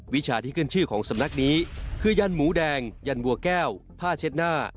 วิชาที่ขึ้นชื่อของสำนักนี้คือยันหมูแดงยันวัวแก้วผ้าเช็ดหน้า